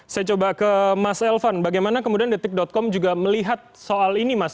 saya coba ke mas elvan bagaimana kemudian detik com juga melihat soal ini mas